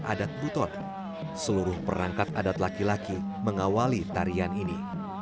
adat buton seluruh perangkat adat laki laki mengawali tarian ini